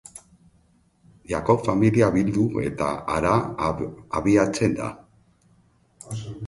Jakob familia bildu eta hara abiatzen da.